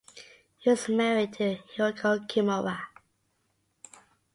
He was married to Hiroko Kimura.